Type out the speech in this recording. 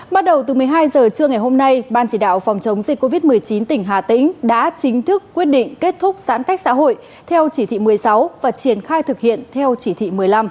bắt đầu từ một mươi hai h trưa ngày hôm nay ban chỉ đạo phòng chống dịch covid một mươi chín tỉnh hà tĩnh đã chính thức quyết định kết thúc giãn cách xã hội theo chỉ thị một mươi sáu và triển khai thực hiện theo chỉ thị một mươi năm